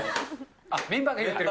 メンバーが言ってる？